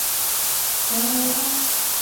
博雷埃。